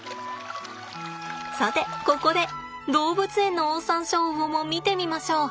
さてここで動物園のオオサンショウウオも見てみましょう。